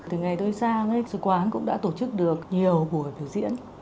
từ ngày tới sáng ấy sứ quán cũng đã tổ chức được nhiều buổi biểu diễn